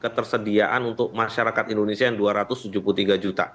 ketersediaan untuk masyarakat indonesia yang dua ratus tujuh puluh tiga juta